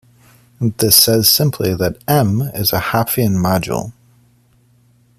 This says simply that "M" is a Hopfian module.